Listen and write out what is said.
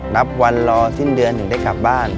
นับวันรอสิ้นเดือนถึงได้กลับบ้าน